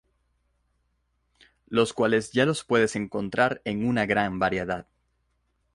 Los cuales ya los puedes encontrar en una gran variedad.